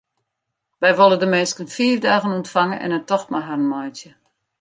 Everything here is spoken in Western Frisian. Wy wolle de minsken fiif dagen ûntfange en in tocht mei harren meitsje.